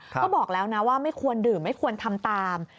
ก็บอกแล้วนะว่าไม่ควรดื่มไม่ควรทำตาม